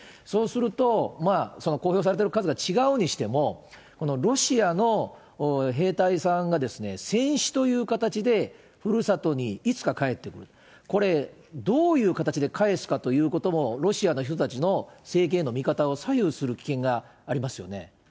そうすると、その公表されてる数が違うにしても、ロシアの兵隊さんが戦死という形でふるさとにいつか帰ってくる、これ、どういう形で帰すかということも、ロシアの人たちの政権への見方を左右する危険がありますよね。